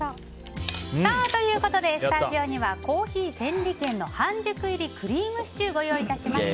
スタジオには珈琲センリ軒の半熟入りクリームシチューをご用意しました。